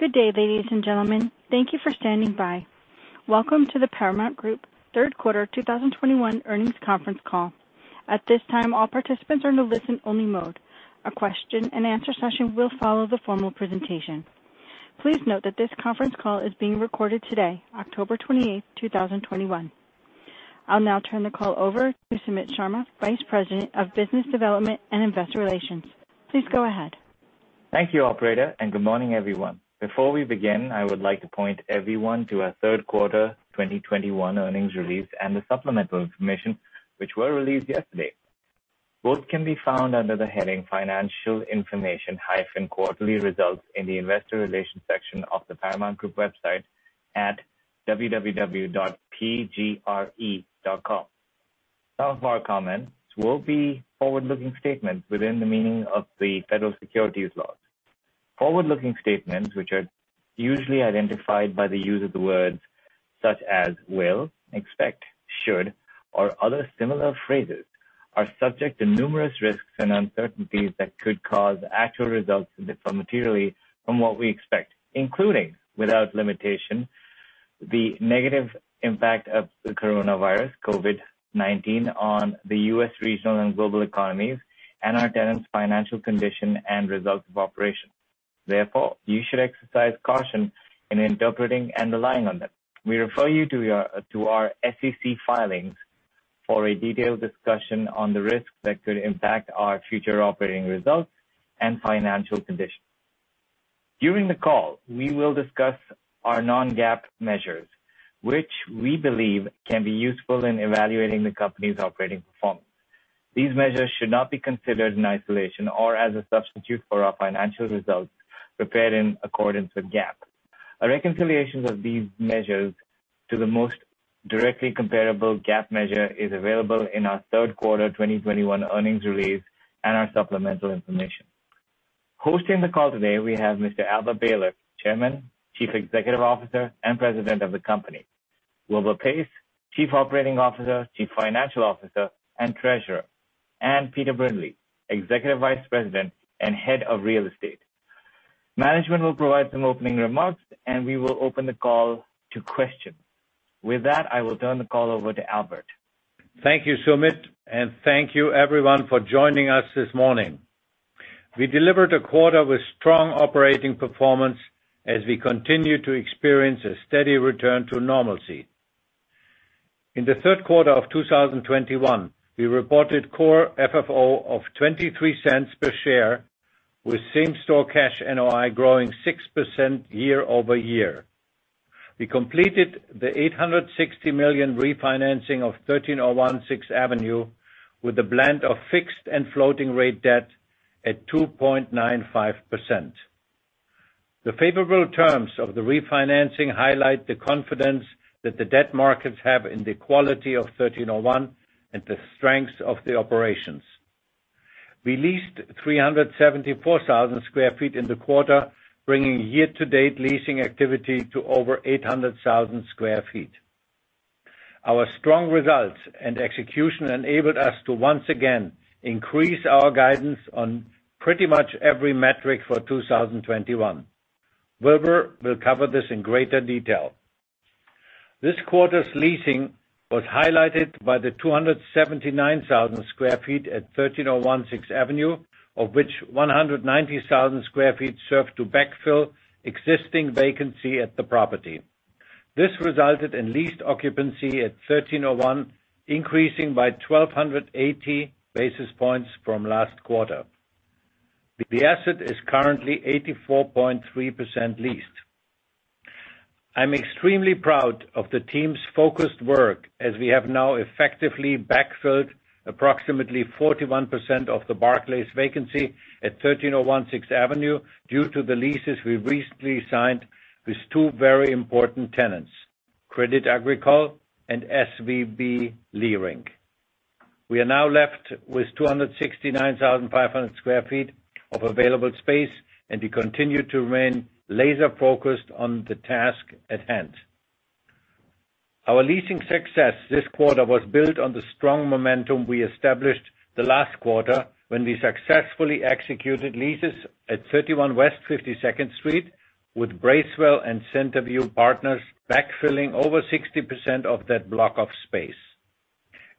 Good day, ladies and gentlemen. Thank you for standing by. Welcome to the Paramount Group Third Quarter 2021 Earnings Conference Call. At this time, all participants are in a listen-only mode. A question-and-answer session will follow the formal presentation. Please note that this conference call is being recorded today, October 28, 2021. I'll now turn the call over to Sumit Sharma, Vice President of Business Development and Investor Relations. Please go ahead. Thank you, operator, and good morning, everyone. Before we begin, I would like to point everyone to our third quarter 2021 earnings release and the supplemental information which were released yesterday. Both can be found under the heading Financial Information-Quarterly Results in the investor relations section of the Paramount Group website at www.pgre.com. Some of our comments will be forward-looking statements within the meaning of the federal securities laws. Forward-looking statements, which are usually identified by the use of the words such as "will," "expect," "should," or other similar phrases, are subject to numerous risks and uncertainties that could cause actual results to differ materially from what we expect, including, without limitation, the negative impact of the coronavirus COVID-19 on the U.S. regional and global economies and our tenants' financial condition and results of operations. Therefore, you should exercise caution in interpreting and relying on them. We refer you to our SEC filings for a detailed discussion on the risks that could impact our future operating results and financial condition. During the call, we will discuss our non-GAAP measures, which we believe can be useful in evaluating the company's operating performance. These measures should not be considered in isolation or as a substitute for our financial results prepared in accordance with GAAP. A reconciliation of these measures to the most directly comparable GAAP measure is available in our third quarter 2021 earnings release and our supplemental information. Hosting the call today, we have Mr. Albert Behler, Chairman, Chief Executive Officer, and President of the company. Wilbur Paes, Chief Operating Officer, Chief Financial Officer, and Treasurer, and Peter Brindley, Executive Vice President and Head of Real Estate. Management will provide some opening remarks, and we will open the call to questions. With that, I will turn the call over to Albert. Thank you, Sumit, and thank you everyone for joining us this morning. We delivered 1/4 with strong operating performance as we continue to experience a steady return to normalcy. In the third quarter of 2021, we reported Core FFO of $0.23 per share with same-store cash NOI growing 6% year-over-year. We completed the $860 million refinancing of 1301 Sixth Avenue with a blend of fixed and floating rate debt at 2.95%. The favorable terms of the refinancing highlight the confidence that the debt markets have in the quality of 1301 and the strength of the operations. We leased 374,000 sq ft in the quarter, bringing year-to-date leasing activity to over 800,000 sq ft. Our strong results and execution enabled us to once again increase our guidance on pretty much every metric for 2021. Wilbur will cover this in greater detail. This quarter's leasing was highlighted by the 279,000 sq ft at 1301 Sixth Avenue, of which 190,000 sq ft served to backfill existing vacancy at the property. This resulted in leased occupancy at 1301 increasing by 1,280 basis points from last quarter. The asset is currently 84.3% leased. I'm extremely proud of the team's focused work as we have now effectively backfilled approximately 41% of the Barclays vacancy at 1301 Sixth Avenue due to the leases we recently signed with two very important tenants, Crédit Agricole and SVB Leerink. We are now left with 269,500 sq ft of available space, and we continue to remain laser focused on the task at hand. Our leasing success this quarter was built on the strong momentum we established the last quarter when we successfully executed leases at 31 West 52nd Street with Bracewell and Centerview Partners backfilling over 60% of that block of space.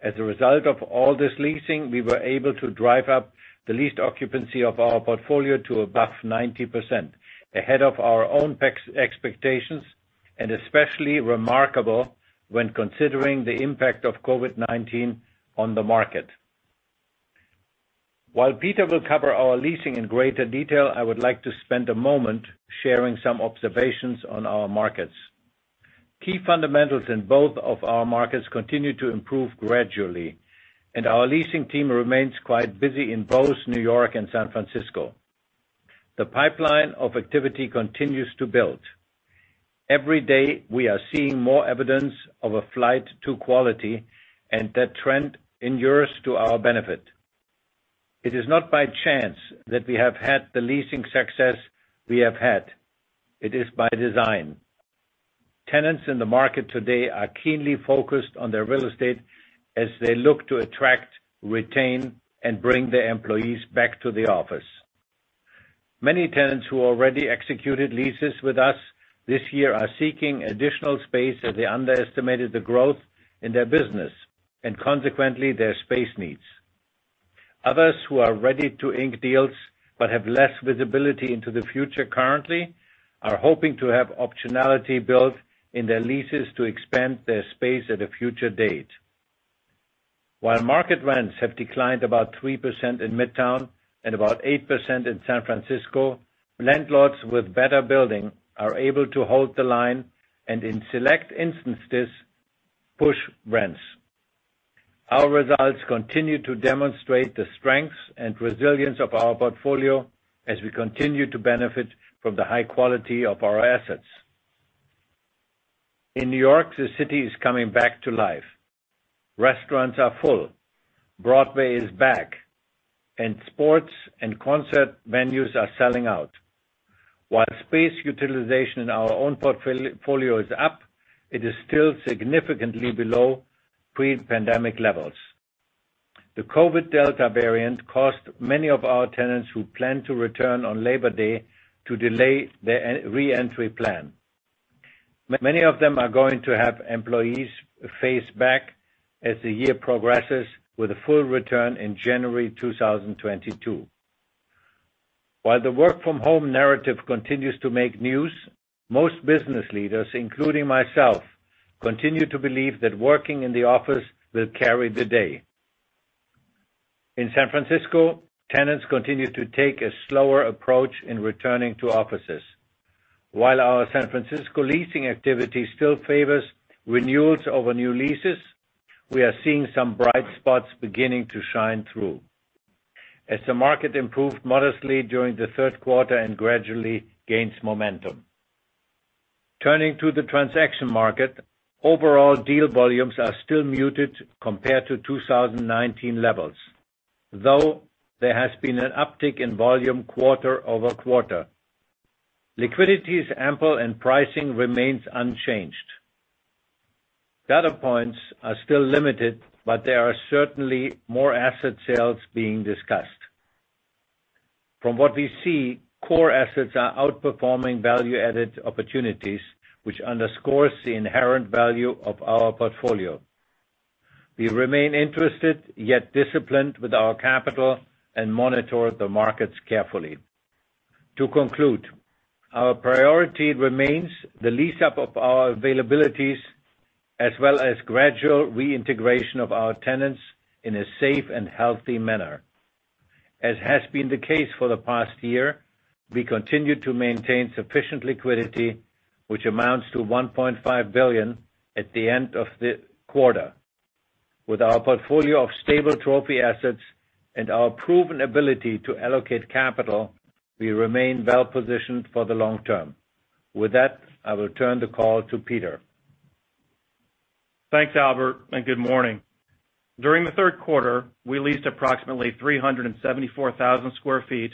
As a result of all this leasing, we were able to drive up the leased occupancy of our portfolio to above 90%, ahead of our own expectations and especially remarkable when considering the impact of COVID-19 on the market. While Peter will cover our leasing in greater detail, I would like to spend a moment sharing some observations on our markets. Key fundamentals in both of our markets continue to improve gradually, and our leasing team remains quite busy in both New York and San Francisco. The pipeline of activity continues to build. Every day, we are seeing more evidence of a flight to quality, and that trend endures to our benefit. It is not by chance that we have had the leasing success we have had. It is by design. Tenants in the market today are keenly focused on their real estate as they look to attract, retain, and bring their employees back to the office. Many tenants who already executed leases with us this year are seeking additional space as they underestimated the growth in their business, and consequently, their space needs. Others who are ready to ink deals but have less visibility into the future currently are hoping to have optionality built in their leases to expand their space at a future date. While market rents have declined about 3% in Midtown and about 8% in San Francisco, landlords with better buildings are able to hold the line, and in select instances, push rents. Our results continue to demonstrate the strengths and resilience of our portfolio as we continue to benefit from the high quality of our assets. In New York, the city is coming back to life. Restaurants are full, Broadway is back, and sports and concert venues are selling out. While space utilization in our own portfolio is up, it is still significantly below pre-pandemic levels. The COVID-19 Delta variant caused many of our tenants who plan to return on Labor Day to delay their re-entry plan. Many of them are going to have employees phase back as the year progresses with a full return in January 2022. While the work from home narrative continues to make news, most business leaders, including myself, continue to believe that working in the office will carry the day. In San Francisco, tenants continue to take a slower approach in returning to offices. While our San Francisco leasing activity still favors renewals over new leases, we are seeing some bright spots beginning to shine through as the market improved modestly during the third quarter and gradually gains momentum. Turning to the transaction market, overall deal volumes are still muted compared to 2019 levels, though there has been an uptick in volume quarter-over-quarter. Liquidity is ample and pricing remains unchanged. Data points are still limited, but there are certainly more asset sales being discussed. From what we see, core assets are outperforming value-added opportunities, which underscores the inherent value of our portfolio. We remain interested, yet disciplined with our capital and monitor the markets carefully. To conclude, our priority remains the lease up of our availabilities as well as gradual reintegration of our tenants in a safe and healthy manner. As has been the case for the past year, we continue to maintain sufficient liquidity, which amounts to $1.5 billion at the end of the quarter. With our portfolio of stable trophy assets and our proven ability to allocate capital, we remain well positioned for the long term. With that, I will turn the call to Peter. Thanks, Albert, and good morning. During the third quarter, we leased approximately 374,000 sq ft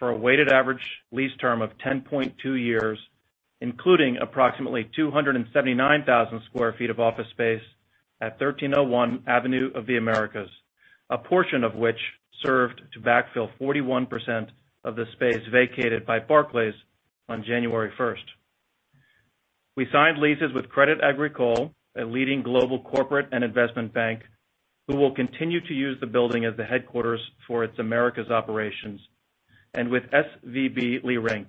for a weighted average lease term of 10.2 years, including approximately 279,000 sq ft of office space at 1301 Avenue of the Americas, a portion of which served to backfill 41% of the space vacated by Barclays on January 1st. We signed leases with Crédit Agricole, a leading global corporate and investment bank, who will continue to use the building as the headquarters for its Americas operations, and with SVB Leerink,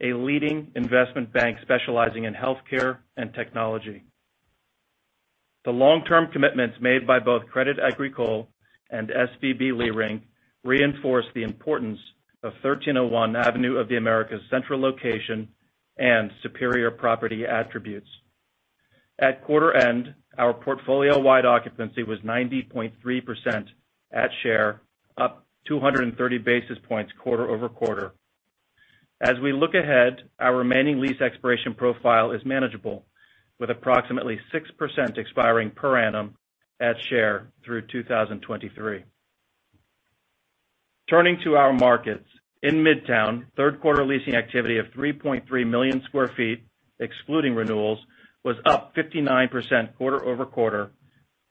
a leading investment bank specializing in healthcare and technology. The long-term commitments made by both Crédit Agricole and SVB Leerink reinforce the importance of 1301 Avenue of the Americas' central location and superior property attributes. At quarter end, our portfolio-wide occupancy was 90.3% at share, up 230 basis points quarter-over-quarter. As we look ahead, our remaining lease expiration profile is manageable, with approximately 6% expiring per annum at share through 2023. Turning to our markets. In Midtown, third quarter leasing activity of 3.3 million sq ft, excluding renewals, was up 59% quarter-over-quarter,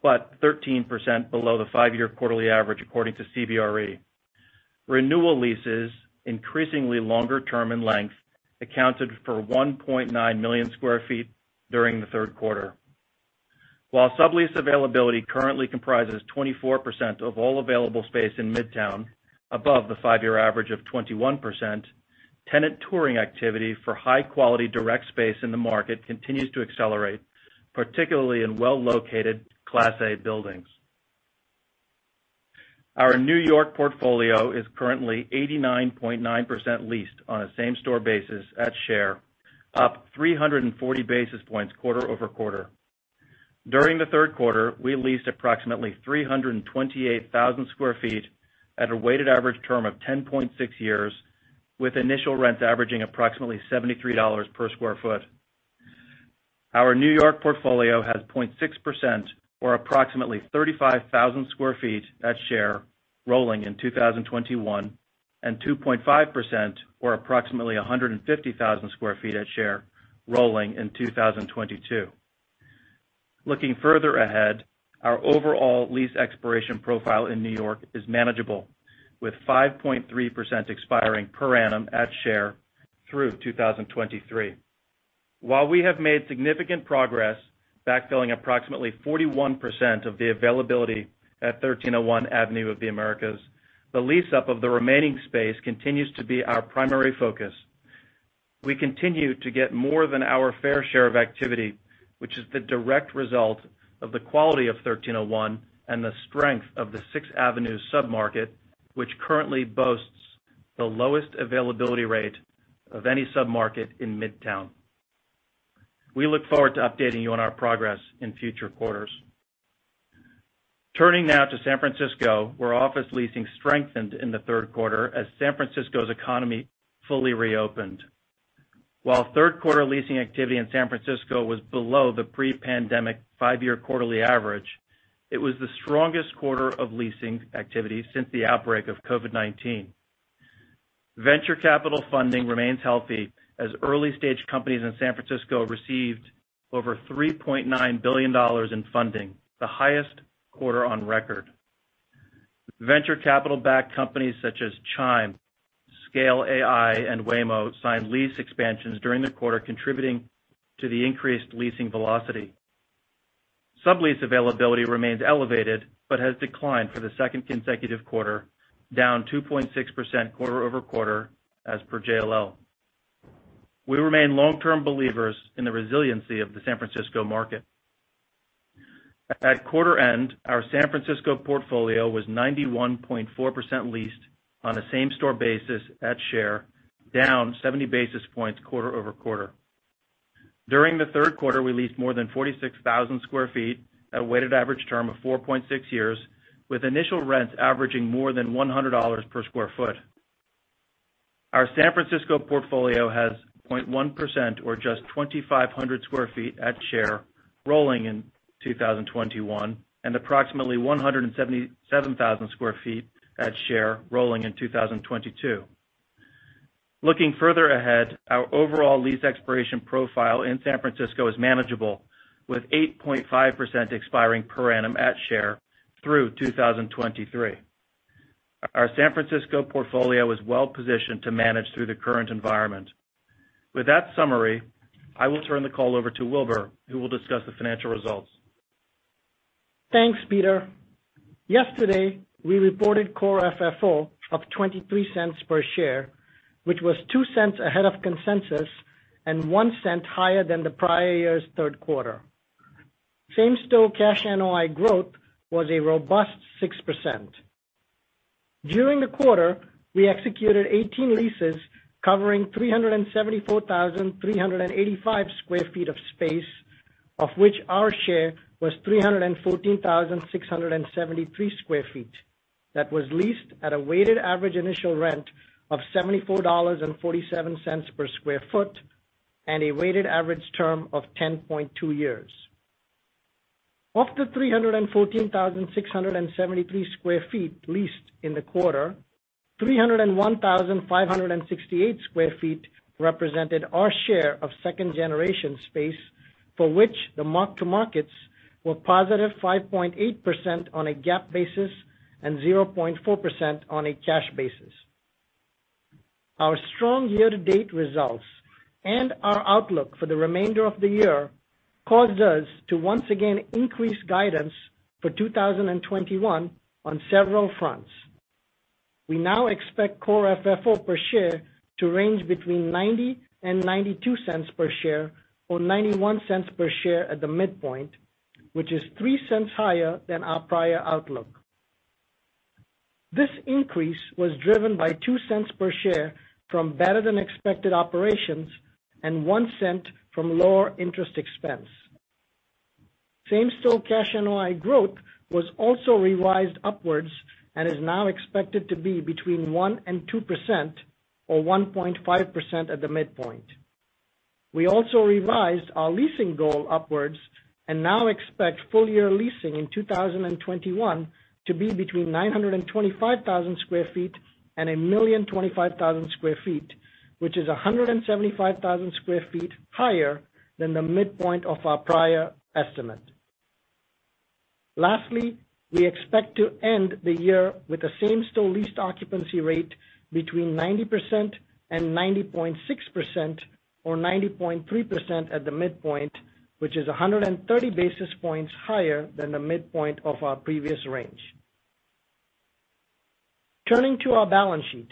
but 13% below the five-year quarterly average, according to CBRE. Renewal leases, increasingly longer term in length, accounted for 1.9 million sq ft during the third quarter. While sublease availability currently comprises 24% of all available space in Midtown, above the five-year average of 21%, tenant touring activity for high quality direct space in the market continues to accelerate, particularly in well-located Class A buildings. Our New York portfolio is currently 89.9% leased on a same-store basis at share, up 340 basis points quarter-over-quarter. During the third quarter, we leased approximately 328,000 sq ft at a weighted average term of 10.6 years, with initial rents averaging approximately $73 per sq ft. Our New York portfolio has 0.6% or approximately 35,000 sq ft at share rolling in 2021 and 2.5% or approximately 150,000 sq ft at share rolling in 2022. Looking further ahead, our overall lease expiration profile in New York is manageable, with 5.3% expiring per annum at share through 2023. While we have made significant progress backfilling approximately 41% of the availability at 1301 Avenue of the Americas, the lease up of the remaining space continues to be our primary focus. We continue to get more than our fair share of activity, which is the direct result of the quality of 1301 and the strength of the Sixth Avenue submarket, which currently boasts the lowest availability rate of any submarket in Midtown. We look forward to updating you on our progress in future quarters. Turning now to San Francisco, where office leasing strengthened in the third quarter as San Francisco's economy fully reopened. While third quarter leasing activity in San Francisco was below the pre-pandemic five-year quarterly average, it was the strongest quarter of leasing activity since the outbreak of COVID-19. Venture capital funding remains healthy as early stage companies in San Francisco received over $3.9 billion in funding, the highest quarter on record. Venture capital backed companies such as Chime, Scale AI, and Waymo signed lease expansions during the quarter, contributing to the increased leasing velocity. Sublease availability remains elevated but has declined for the second consecutive quarter, down 2.6% quarter-over-quarter as per JLL. We remain long term believers in the resiliency of the San Francisco market. At quarter end, our San Francisco portfolio was 91.4% leased on a same store basis at share, down 70 basis points quarter-over-quarter. During the third quarter, we leased more than 46,000 sq ft at a weighted average term of 4.6 years, with initial rents averaging more than $100 per sq ft. Our San Francisco portfolio has 0.1% or just 2,500 sq ft at share rolling in 2021, and approximately 177,000 sq ft at share rolling in 2022. Looking further ahead, our overall lease expiration profile in San Francisco is manageable with 8.5% expiring per annum at share through 2023. Our San Francisco portfolio is well positioned to manage through the current environment. With that summary, I will turn the call over to Wilbur, who will discuss the financial results. Thanks, Peter. Yesterday we reported Core FFO of $0.23 Per share, which was $0.2 Ahead of consensus and $0.1 Higher than the prior year's third quarter. Same-store cash NOI growth was a robust 6%. During the quarter, we executed 18 leases covering 374,385 sq ft of space, of which our share was 314,673 sq ft. That was leased at a weighted average initial rent of $74.47 per sq ft and a weighted average term of 10.2 years. Of the 314,673 sq ft leased in the quarter, 301,568 sq ft represented our share of second generation space, for which the mark to markets were +5.8% on a GAAP basis and 0.4% on a cash basis. Our strong year-to-date results and our outlook for the remainder of the year caused us to once again increase guidance for 2021 on several fronts. We now expect Core FFO per share to range between $0.90 and $0.92 per share, or $0.91 per share at the midpoint, which is $0.03 higher than our prior outlook. This increase was driven by $0.02 per share from better than expected operations and $0.01 from lower interest expense. Same-store cash NOI growth was also revised upwards and is now expected to be between 1% and 2% or 1.5% at the midpoint. We also revised our leasing goal upwards and now expect full year leasing in 2021 to be between 925,000 sq ft and 1,025,000 sq ft, which is 175,000 sq ft higher than the midpoint of our prior estimate. Lastly, we expect to end the year with a same-store leased occupancy rate between 90% and 90.6%, or 90.3% at the midpoint, which is 130 basis points higher than the midpoint of our previous range. Turning to our balance sheet.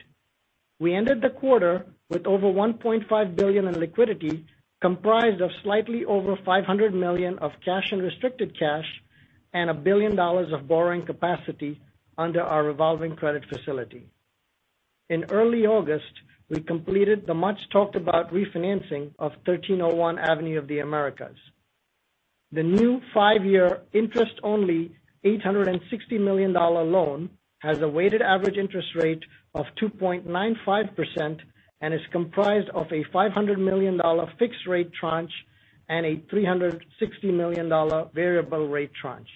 We ended the quarter with over $1.5 billion in liquidity, comprised of slightly over $500 million of cash and restricted cash and $1 billion of borrowing capacity under our revolving credit facility. In early August, we completed the much talked about refinancing of 1301 Avenue of the Americas. The new five-year interest-only $860 million loan has a weighted average interest rate of 2.95% and is comprised of a $500 million fixed rate tranche and a $360 million variable rate tranche.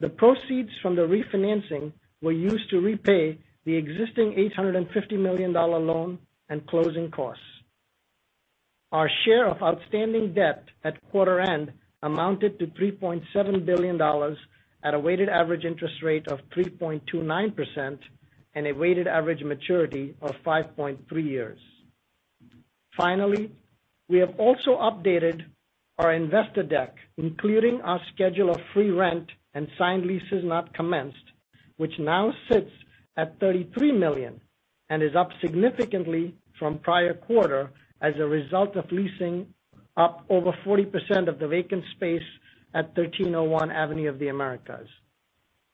The proceeds from the refinancing were used to repay the existing $850 million loan and closing costs. Our share of outstanding debt at quarter end amounted to $3.7 billion at a weighted average interest rate of 3.29% and a weighted average maturity of 5.3 years. Finally, we have also updated our investor deck, including our schedule of free rent and signed leases not commenced, which now sits at $33 million and is up significantly from prior quarter as a result of leasing up over 40% of the vacant space at 1301 Avenue of the Americas.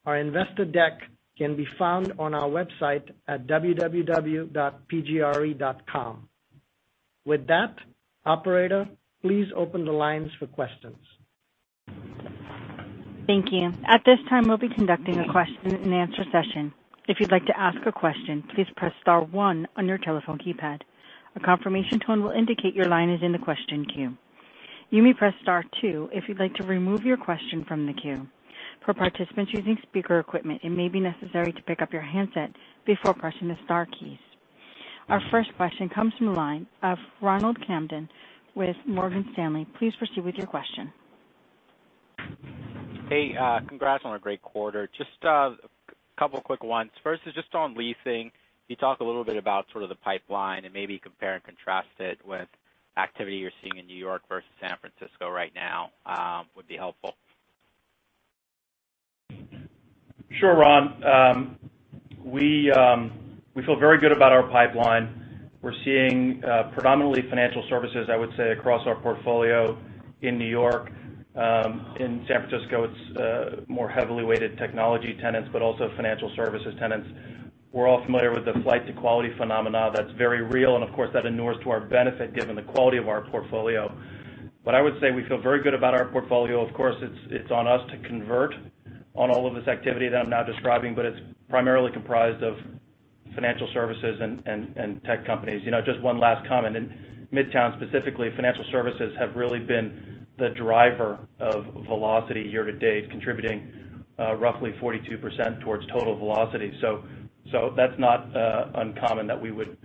Our investor deck can be found on our website at www.pgre.com. With that, operator, please open the lines for questions. Thank you. At this time, we'll be conducting a question and answer session. If you'd like to ask a question, please press star one on your telephone keypad. A confirmation tone will indicate your line is in the question queue. You may press star two if you'd like to remove your question from the queue. For participants using speaker equipment, it may be necessary to pick up your handset before pressing the star keys. Our first question comes from the line of Ronald Kamdem with Morgan Stanley. Please proceed with your question. Hey, congrats on a great quarter. Just, a couple quick ones. First is just on leasing. Can you talk a little bit about sort of the pipeline and maybe compare and contrast it with activity you're seeing in New York versus San Francisco right now? Would be helpful. Sure, Ron. We feel very good about our pipeline. We're seeing predominantly financial services, I would say, across our portfolio in New York. In San Francisco, it's more heavily weighted technology tenants but also financial services tenants. We're all familiar with the flight to quality phenomena that's very real, and of course that inures to our benefit given the quality of our portfolio. I would say we feel very good about our portfolio. Of course, it's on us to convert on all of this activity that I'm now describing, but it's primarily comprised of financial services and tech companies. You know, just one last comment. In Midtown specifically, financial services have really been the driver of velocity year to date, contributing roughly 42% towards total velocity. That's not uncommon that we would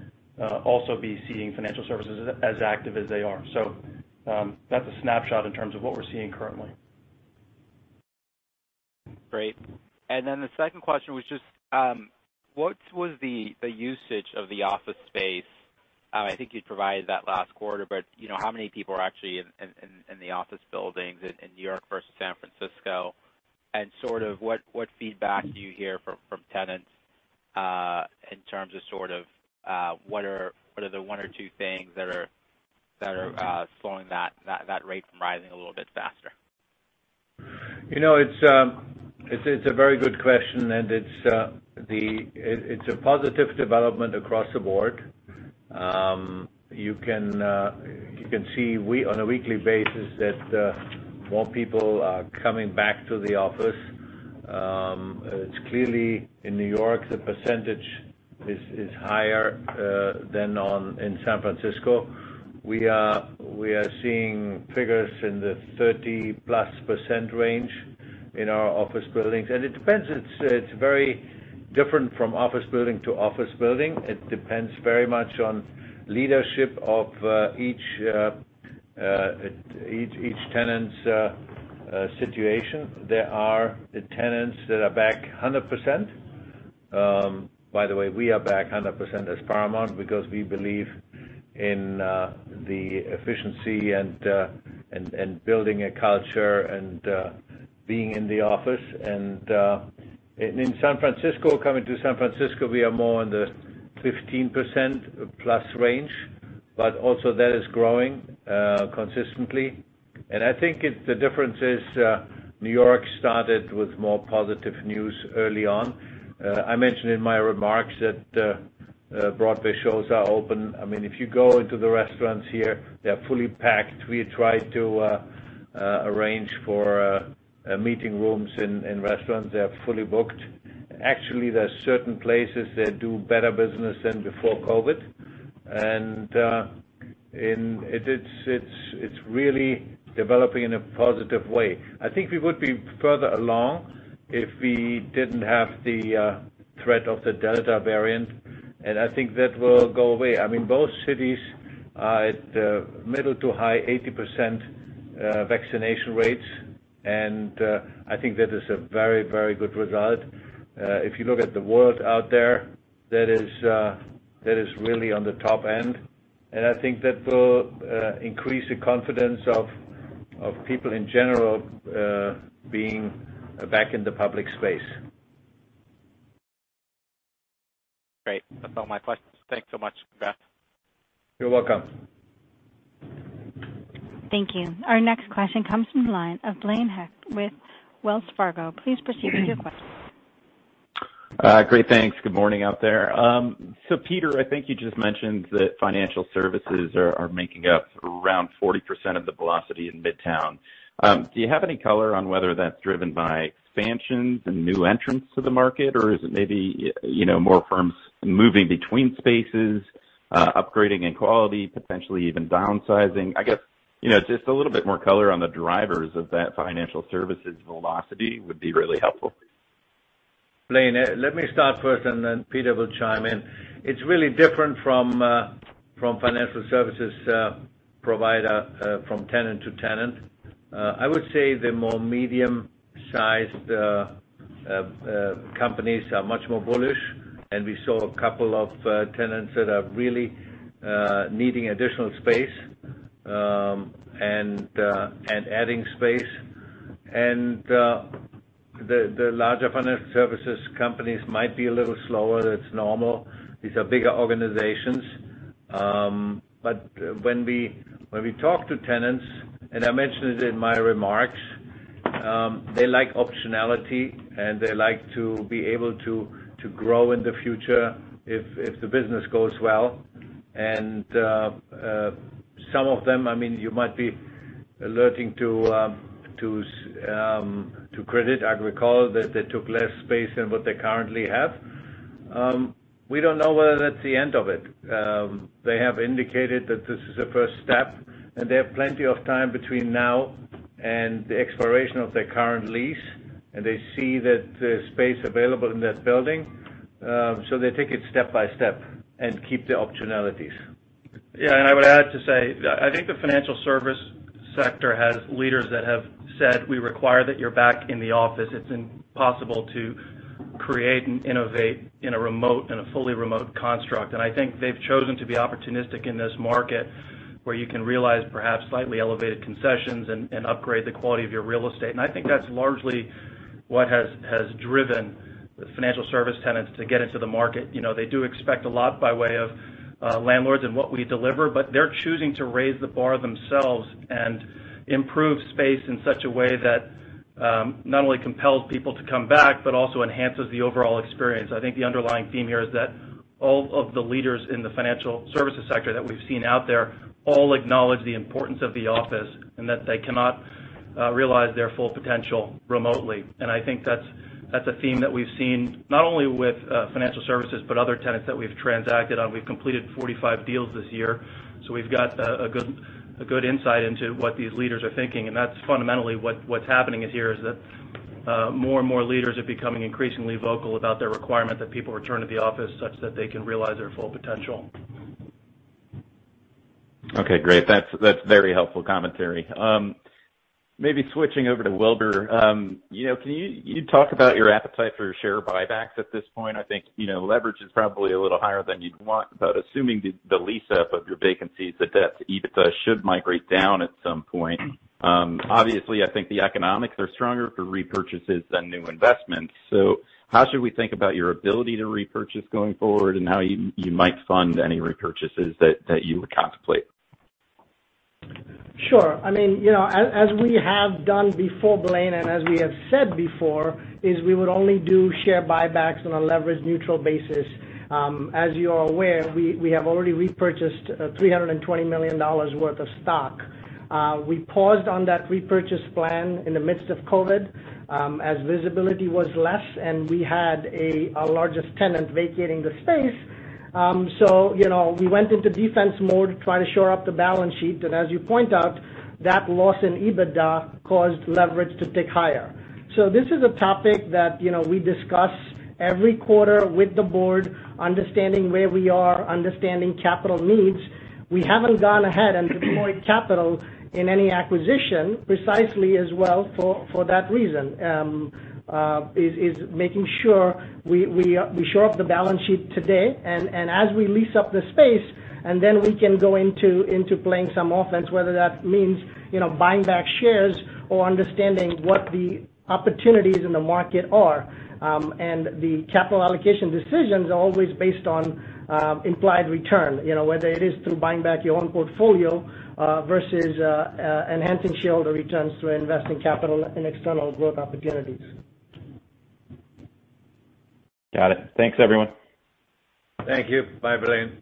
also be seeing financial services as active as they are. That's a snapshot in terms of what we're seeing currently. Great. Then the second question was just, what was the usage of the office space? I think you'd provided that last quarter, but, you know, how many people are actually in the office buildings in New York versus San Francisco? Sort of what feedback do you hear from tenants, in terms of sort of, what are the one or two things that are slowing that rate from rising a little bit faster? You know, it's a very good question, and it's a positive development across the board. You can see that on a weekly basis, that more people are coming back to the office. It's clearly in New York, the percentage is higher than in San Francisco. We are seeing figures in the 30+% range in our office buildings, and it depends. It's very different from office building to office building. It depends very much on leadership of each tenant's situation. There are tenants that are back 100%. By the way, we are back 100% as Paramount because we believe in the efficiency and building a culture and being in the office. In San Francisco, we are more in the 15%+ range, but also that is growing consistently. I think the difference is New York started with more positive news early on. I mentioned in my remarks that Broadway shows are open. I mean, if you go into the restaurants here, they're fully packed. We try to arrange for meeting rooms in restaurants. They are fully booked. Actually, there are certain places that do better business than before COVID. It's really developing in a positive way. I think we would be further along if we didn't have the threat of the Delta variant, and I think that will go away. I mean, both cities are at middle to high 80% vaccination rates, and I think that is a very, very good result. If you look at the world out there, that is really on the top end, and I think that will increase the confidence of people in general being back in the public space. Great. That's all my questions. Thanks so much, Albert. You're welcome. Thank you. Our next question comes from the line of Blaine Heck with Wells Fargo. Please proceed with your question. Great. Thanks. Good morning out there. Peter, I think you just mentioned that financial services are making up around 40% of the velocity in Midtown. Do you have any color on whether that's driven by expansions and new entrants to the market, or is it maybe, you know, more firms moving between spaces, upgrading in quality, potentially even downsizing. I guess, you know, just a little bit more color on the drivers of that financial services velocity would be really helpful. Blaine, let me start first, and then Peter will chime in. It's really different from financial services providers, from tenant to tenant. I would say the more medium-sized companies are much more bullish, and we saw a couple of tenants that are really needing additional space and adding space. The larger financial services companies might be a little slower. It's normal. These are bigger organizations. When we talk to tenants, and I mentioned it in my remarks, they like optionality, and they like to be able to grow in the future if the business goes well. Some of them, I mean, you might be alluding to Crédit Agricole. I recall that they took less space than what they currently have. We don't know whether that's the end of it. They have indicated that this is a first step, and they have plenty of time between now and the expiration of their current lease, and they see that there's space available in that building, so they take it step by step and keep the optionalities. Yeah, I would add to say, I think the financial service sector has leaders that have said, "We require that you're back in the office. It's impossible to create and innovate in a remote, in a fully remote construct." I think they've chosen to be opportunistic in this market, where you can realize perhaps slightly elevated concessions and upgrade the quality of your real estate. I think that's largely what has driven the financial service tenants to get into the market. You know, they do expect a lot by way of landlords and what we deliver, but they're choosing to raise the bar themselves and improve space in such a way that not only compels people to come back, but also enhances the overall experience. I think the underlying theme here is that all of the leaders in the financial services sector that we've seen out there all acknowledge the importance of the office and that they cannot realize their full potential remotely. I think that's a theme that we've seen not only with financial services, but other tenants that we've transacted on. We've completed 45 deals this year, so we've got a good insight into what these leaders are thinking. That's fundamentally what's happening here is that more and more leaders are becoming increasingly vocal about their requirement that people return to the office such that they can realize their full potential. Okay, great. That's very helpful commentary. Maybe switching over to Wilbur. You know, can you talk about your appetite for share buybacks at this point. I think, you know, leverage is probably a little higher than you'd want. Assuming the lease up of your vacancies, the debt to EBITDA should migrate down at some point. Obviously, I think the economics are stronger for repurchases than new investments. How should we think about your ability to repurchase going forward and how you might fund any repurchases that you would contemplate? Sure. I mean, you know, as we have done before, Blaine, and as we have said before, is we would only do share buybacks on a leverage neutral basis. As you are aware, we have already repurchased $320 million worth of stock. We paused on that repurchase plan in the midst of COVID, as visibility was less, and we had our largest tenant vacating the space. You know, we went into defense mode to try to shore up the balance sheet. As you point out, that loss in EBITDA caused leverage to tick higher. This is a topic that, you know, we discuss every quarter with the board, understanding where we are, understanding capital needs. We haven't gone ahead and deployed capital in any acquisition precisely as well for that reason is making sure we shore up the balance sheet today and as we lease up the space, and then we can go into playing some offense, whether that means, you know, buying back shares or understanding what the opportunities in the market are. The capital allocation decisions are always based on implied return, you know, whether it is through buying back your own portfolio versus enhancing shareholder returns through investing capital in external growth opportunities. Got it. Thanks, everyone. Thank you. Bye, Blaine.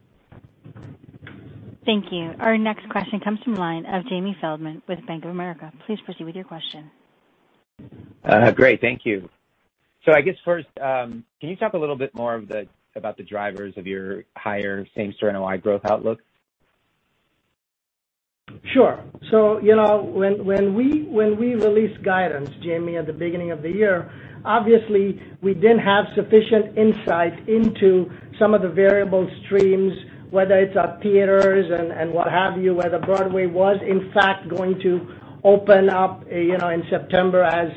Thank you. Our next question comes from the line of Jamie Feldman with Bank of America. Please proceed with your question. Great. Thank you. I guess first, can you talk a little bit more about the drivers of your higher same-store NOI growth outlook? Sure. You know, when we released guidance, Jamie, at the beginning of the year, obviously we didn't have sufficient insight into some of the variable streams, whether it's our theaters and what have you, whether Broadway was in fact going to open up, you know, in September as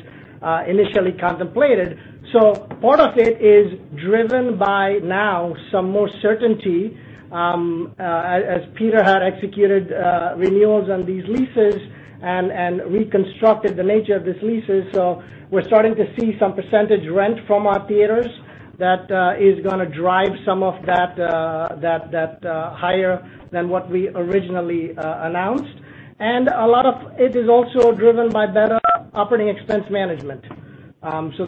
initially contemplated. Part of it is driven by now some more certainty, as Peter had executed renewals on these leases and reconstructed the nature of these leases. We're starting to see some percentage rent from our theaters that is gonna drive some of that higher than what we originally announced. A lot of it is also driven by better operating expense management.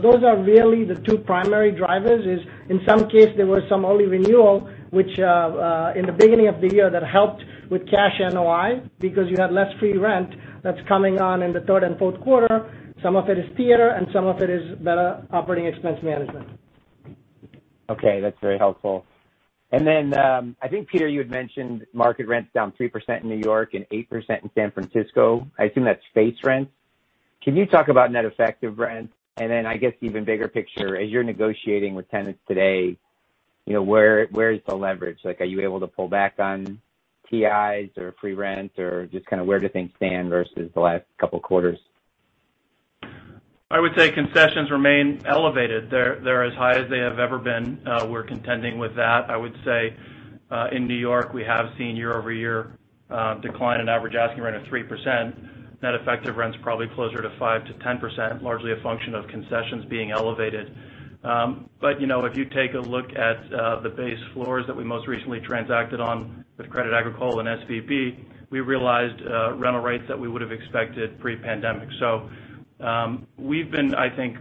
Those are really the two primary drivers. In some cases there were some early renewals which in the beginning of the year that helped with cash NOI because you had less free rent that's coming on in the third and fourth quarter. Some of it is the other, and some of it is better operating expense management. Okay, that's very helpful. I think, Peter, you had mentioned market rent's down 3% in New York and 8% in San Francisco. I assume that's space rents. Can you talk about net effective rents? I guess even bigger picture, as you're negotiating with tenants today, you know, where is the leverage? Like, are you able to pull back on TIs or free rent or just kinda where do things stand versus the last couple quarters? I would say concessions remain elevated. They're as high as they have ever been. We're contending with that. I would say in New York, we have seen year-over-year decline in average asking rent of 3%. Net effective rent's probably closer to 5%-10%, largely a function of concessions being elevated. You know, if you take a look at the base floors that we most recently transacted on with Crédit Agricole and SVB Leerink, we realized rental rates that we would've expected pre-pandemic. We've been, I think,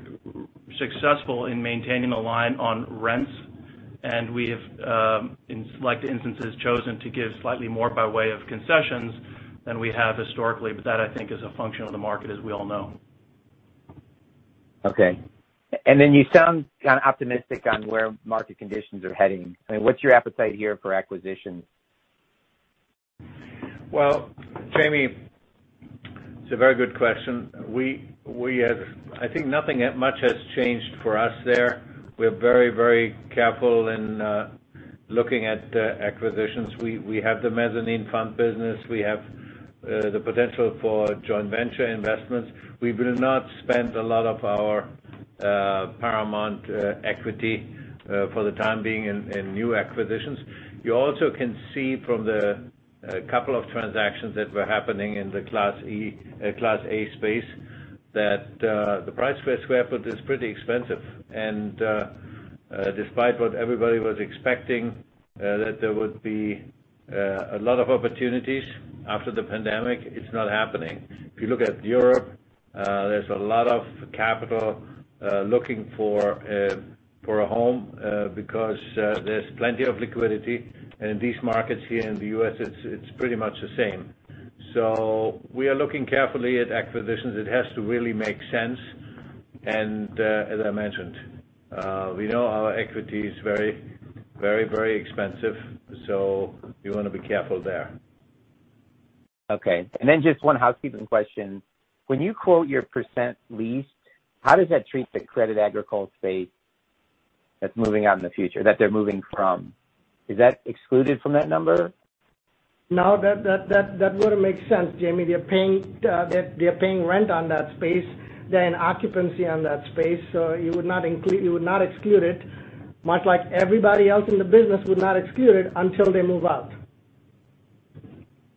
successful in maintaining a line on rents, and we have in select instances, chosen to give slightly more by way of concessions than we have historically, but that I think is a function of the market as we all know. Okay. You sound kinda optimistic on where market conditions are heading. I mean, what's your appetite here for acquisitions? Well, Jamie, it's a very good question. We have. I think nothing that much has changed for us there. We're very, very careful in looking at acquisitions. We have the mezzanine fund business. We have the potential for joint venture investments. We will not spend a lot of our Paramount equity for the time being in new acquisitions. You also can see from a couple of transactions that were happening in the Class A space, that the price per square foot is pretty expensive. Despite what everybody was expecting, that there would be a lot of opportunities after the pandemic, it's not happening. If you look at Europe, there's a lot of capital looking for a home because there's plenty of liquidity. In these markets here in the U.S., it's pretty much the same. We are looking carefully at acquisitions. It has to really make sense. As I mentioned, we know our equity is very expensive, so you wanna be careful there. Okay. Just one housekeeping question. When you quote your % leased, how does that treat the Crédit Agricole space that's moving out in the future, that they're moving from? Is that excluded from that number? No, that wouldn't make sense, Jamie. They're paying rent on that space, they're in occupancy on that space, so you would not exclude it, much like everybody else in the business would not exclude it until they move out.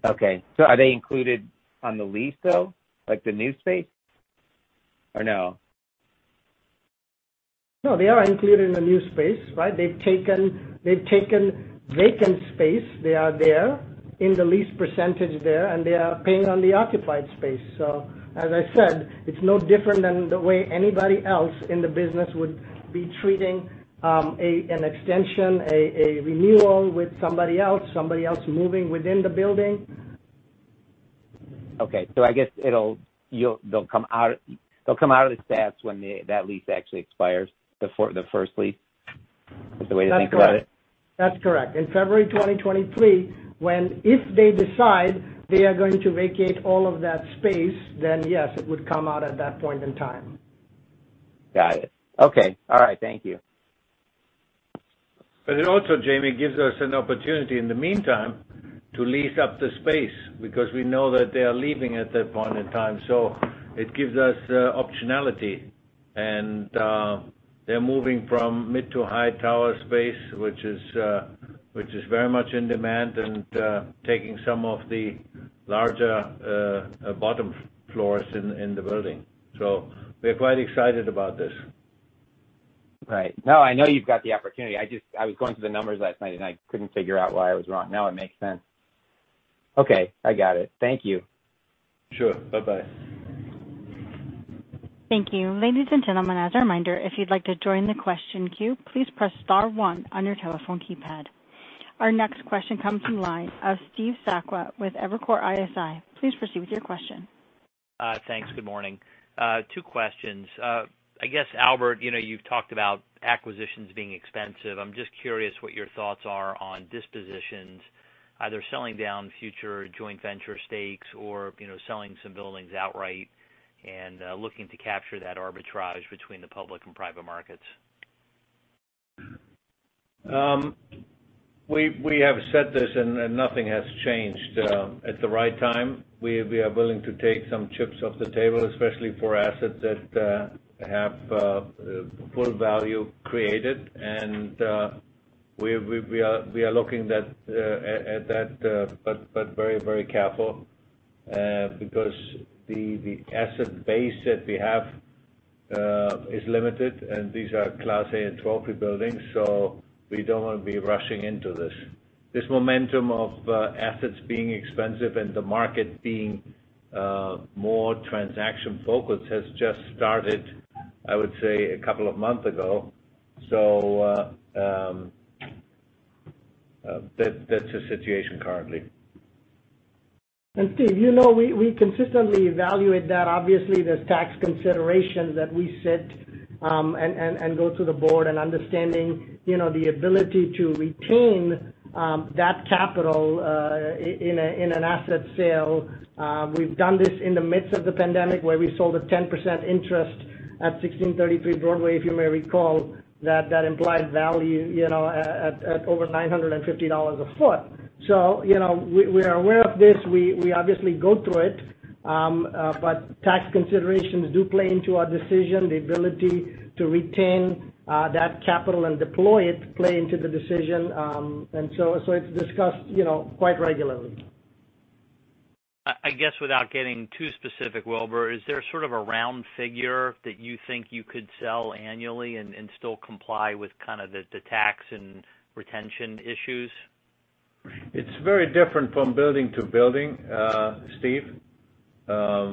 Okay. Are they included on the lease though, like the new space, or no? No, they are included in the new space, right? They've taken vacant space. They are there in the lease percentage there, and they are paying on the occupied space. As I said, it's no different than the way anybody else in the business would be treating an extension, a renewal with somebody else moving within the building. I guess they'll come out of the stats when that lease actually expires, the first lease. That's correct. Is the way to think about it? That's correct. In February 2023, when if they decide they are going to vacate all of that space, then yes, it would come out at that point in time. Got it. Okay. All right. Thank you. It also, Jamie, gives us an opportunity in the meantime to lease up the space because we know that they are leaving at that point in time. It gives us optionality. They're moving from mid to high tower space, which is very much in demand and taking some of the larger bottom floors in the building. We're quite excited about this. Right. No, I know you've got the opportunity. I just, I was going through the numbers last night, and I couldn't figure out why I was wrong. Now it makes sense. Okay, I got it. Thank you. Sure. Bye-bye. Thank you. Ladies and gentlemen, as a reminder, if you'd like to join the question queue, please press star one on your telephone keypad. Our next question comes from the line of Steve Sakwa with Evercore ISI. Please proceed with your question. Thanks. Good morning. Two questions. I guess, Albert, you know, you've talked about acquisitions being expensive. I'm just curious what your thoughts are on dispositions, either selling down future joint venture stakes or, you know, selling some buildings outright and looking to capture that arbitrage between the public and private markets. We have said this and nothing has changed. At the right time, we are willing to take some chips off the table, especially for assets that have full value created. We are looking at that, but very careful because the asset base that we have is limited, and these are Class A and trophy buildings, so we don't wanna be rushing into this. This momentum of assets being expensive and the market being more transaction-focused has just started, I would say, a couple of months ago. That's the situation currently. Steve, you know, we consistently evaluate that. Obviously, there's tax considerations that we set, and go to the board and understanding, you know, the ability to retain that capital in an asset sale. We've done this in the midst of the pandemic where we sold a 10% interest at 1633 Broadway, if you may recall, that implied value, you know, at over $950 a foot. You know, we are aware of this. We obviously go through it. But tax considerations do play into our decision, the ability to retain that capital and deploy it play into the decision. It's discussed, you know, quite regularly. I guess without getting too specific, Wilbur, is there sort of a round figure that you think you could sell annually and still comply with kind of the tax and retention issues? It's very different from building to building, Steve.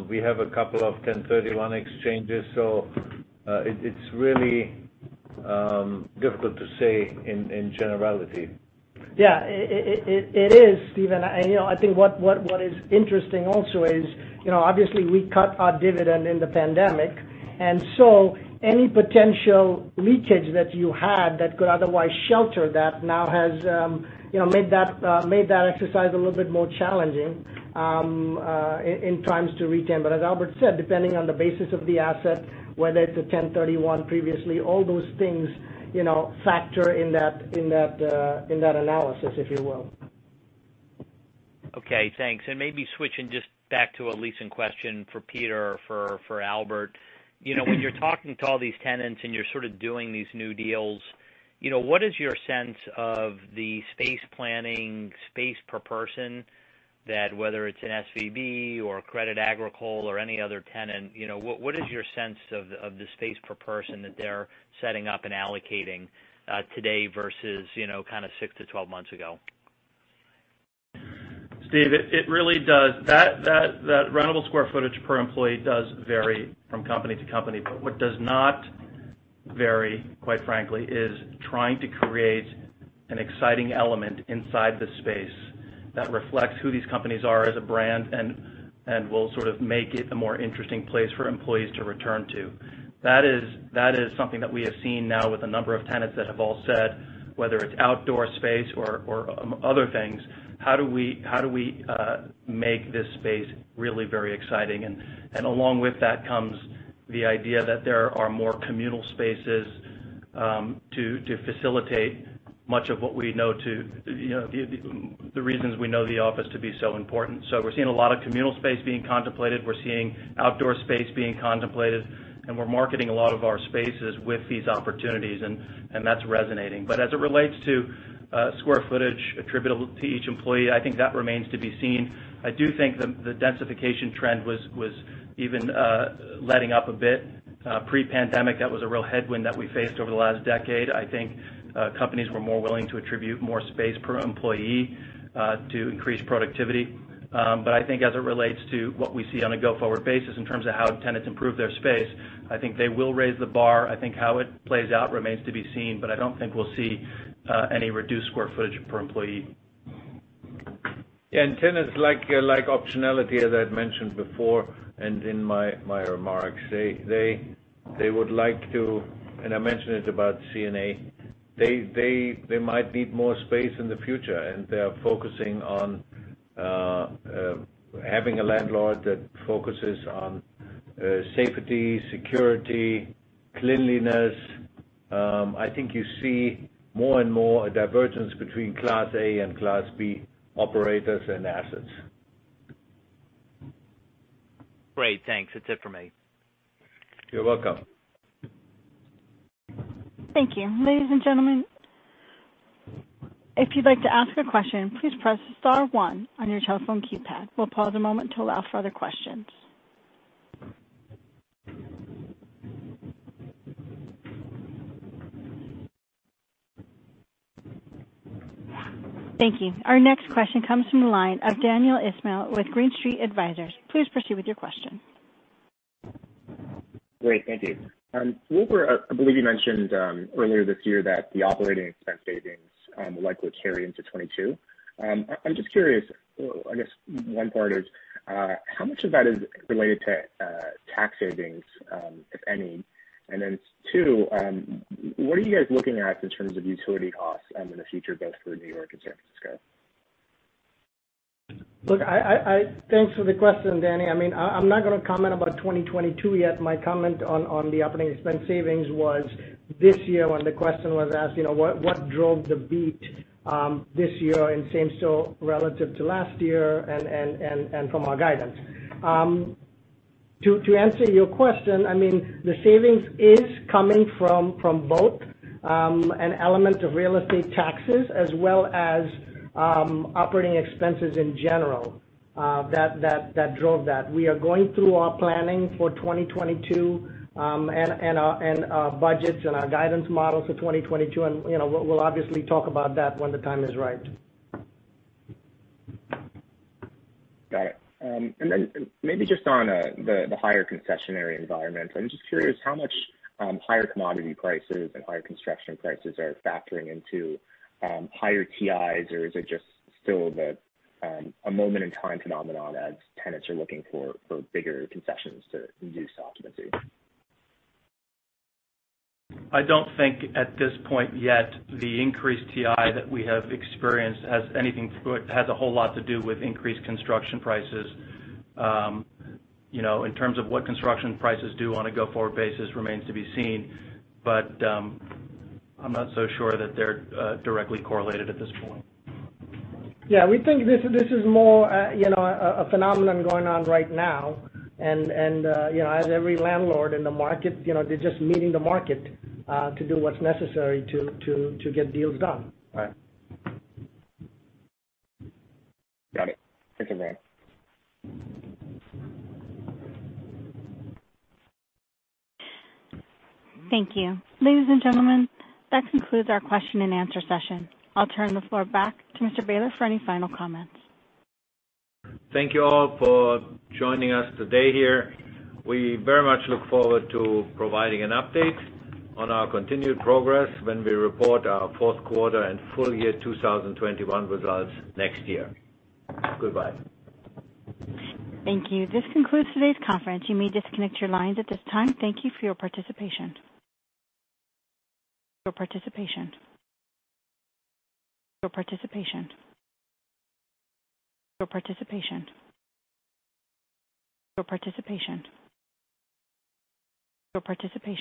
We have a couple of 1031 exchanges, so it's really difficult to say in generality. Yeah. It is, Steve. You know, I think what is interesting also is, you know, obviously, we cut our dividend in the pandemic, and so any potential leakage that you had that could otherwise shelter that now has, you know, made that exercise a little bit more challenging in terms of retention. As Albert said, depending on the basis of the asset, whether it's a 1031 previously, all those things, you know, factor in that analysis, if you will. Okay, thanks. Maybe switching just back to a leasing question for Peter or for Albert. You know, when you're talking to all these tenants and you're sort of doing these new deals, you know, what is your sense of the space planning, space per person that whether it's an SVB or Crédit Agricole or any other tenant, you know, what is your sense of the space per person that they're setting up and allocating today versus, you know, kind of six to 12 months ago? Steve, it really does. That rentable square footage per employee does vary from company to company. What does not vary, quite frankly, is trying to create an exciting element inside the space that reflects who these companies are as a brand and will sort of make it a more interesting place for employees to return to. That is something that we have seen now with a number of tenants that have all said, whether it's outdoor space or other things, how do we make this space really very exciting? Along with that comes the idea that there are more communal spaces to facilitate much of what we know, you know, the reasons we know the office to be so important. We're seeing a lot of communal space being contemplated, we're seeing outdoor space being contemplated, and we're marketing a lot of our spaces with these opportunities, and that's resonating. As it relates to square footage attributable to each employee, I think that remains to be seen. I do think the densification trend was even letting up a bit. Pre-pandemic, that was a real headwind that we faced over the last decade. I think companies were more willing to attribute more space per employee to increase productivity. I think as it relates to what we see on a go-forward basis in terms of how tenants improve their space, I think they will raise the bar. I think how it plays out remains to be seen, but I don't think we'll see any reduced square footage per employee. Yeah. Tenants like optionality, as I've mentioned before, and in my remarks. I mentioned it about CNA. They might need more space in the future, and they are focusing on having a landlord that focuses on safety, security, cleanliness. I think you see more and more a divergence between Class A and Class B operators and assets. Great. Thanks. That's it for me. You're welcome. Thank you. Ladies and gentlemen, if you'd like to ask a question, please press star one on your telephone keypad. We'll pause a moment to allow for other questions. Thank you. Our next question comes from the line of Daniel Ismail with Green Street Advisors. Please proceed with your question. Great. Thank you. Wilbur, I believe you mentioned earlier this year that the operating expense savings will likely carry into 2022. I'm just curious. I guess one part is how much of that is related to tax savings, if any? Two, what are you guys looking at in terms of utility costs in the future, both for New York and San Francisco? Thanks for the question, Danny. I mean, I'm not gonna comment about 2022 yet. My comment on the operating expense savings was this year when the question was asked, you know, what drove the beat this year and same store relative to last year and from our guidance. To answer your question, I mean, the savings is coming from both an element of real estate taxes as well as operating expenses in general that drove that. We are going through our planning for 2022 and our budgets and our guidance models for 2022, you know, we'll obviously talk about that when the time is right. Got it. Maybe just on the higher concessionary environment. I'm just curious how much higher commodity prices and higher construction prices are factoring into higher TIs or is it just still a moment in time phenomenon as tenants are looking for bigger concessions to induce occupancy? I don't think at this point yet the increased TI that we have experienced has a whole lot to do with increased construction prices. You know, in terms of what construction prices do on a go-forward basis remains to be seen. I'm not so sure that they're directly correlated at this point. Yeah, we think this is more, you know, a phenomenon going on right now. You know, as every landlord in the market, you know, they're just meeting the market to do what's necessary to get deals done. Right. Got it. Thank you, man. Thank you. Ladies and gentlemen, that concludes our question and answer session. I'll turn the floor back to Mr. Behler for any final comments. Thank you all for joining us today here. We very much look forward to providing an update on our continued progress when we report our fourth quarter and full year 2021 results next year. Goodbye. Thank you. This concludes today's conference. You may disconnect your lines at this time. Thank you for your participation.